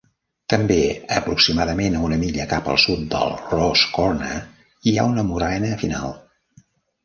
També, aproximadament a una milla cap al sud del Ross's Corner hi ha una morrena final.